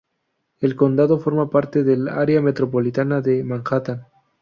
El condado forma parte del área metropolitana de Manhattan.